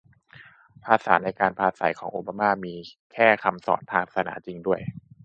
ภาษาในการปราศรัยของโอบาม่า มีแต่คำทางศาสนาจริงด้วย